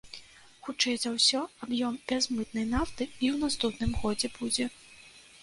Хутчэй за ўсё, аб'ём бязмытнай нафты і ў наступным годзе будзе.